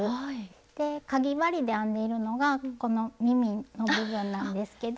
でかぎ針で編んでいるのがこの耳の部分なんですけど。